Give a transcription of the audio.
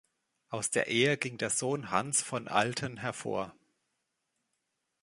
Aus der Ehe ging der Sohn Hans von Alten hervor.